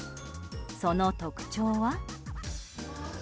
その特徴は？